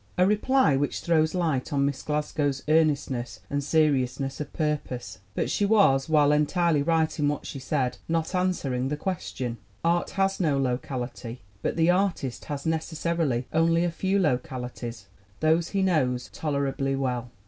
A reply which throws light on Miss Glasgow's earnestness and seriousness of purpose. But she was, while entirely right in what she said, not answering the question. Art has no locality, but the artist has necessarily only a few localities those he knows tolerably well.